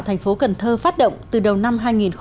thành phố cần thơ phát động từ đầu năm hai nghìn một mươi chín